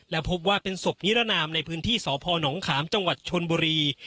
และพบว่าเป็นศพนิรนามในพื้นที่สพนขามจังหวัดชนบุรี